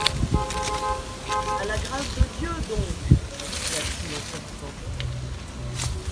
À la grâce de Dieu, donc! s’écria-t-il en sortant.